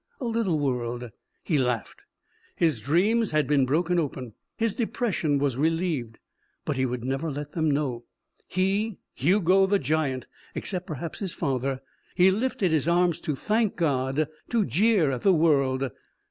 A little world. He laughed. His dreams had been broken open. His depression was relieved. But he would never let them know he, Hugo, the giant. Except, perhaps, his father. He lifted his arms to thank God, to jeer at the world.